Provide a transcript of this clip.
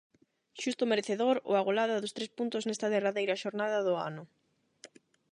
Xusto merecedor, o Agolada, dos tres puntos nesta derradeira xornada do ano.